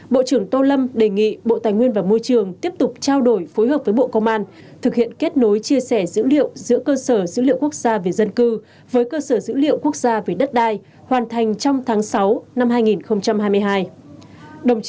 bộ trưởng tô lâm đề nghị bộ tài nguyên và môi trường tiếp tục trao đổi phối hợp với bộ công an thực hiện kết nối chia sẻ dữ liệu giữa cơ sở dữ liệu quốc gia về dân cư với cơ sở dữ liệu quốc gia về đất đai hoàn thành trong tháng sáu năm hai nghìn hai mươi hai